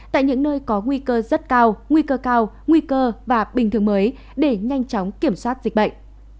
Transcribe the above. tại những nơi có nguy cơ rất cao nguy cơ cao nguy cơ và bình thường mới để nhanh chóng kiểm soát dịch bệnh